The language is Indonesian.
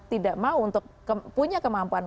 tidak mau untuk punya kemampuan